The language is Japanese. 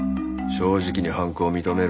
正直に犯行を認めるまで。